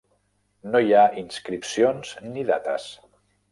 No hi ha inscripcions ni dates.